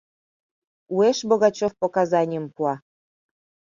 Уэш Богачев показанийым пуа.